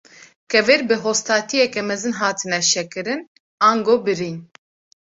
Kevir bi hostatiyeke mezin hatine şekirin, ango birîn.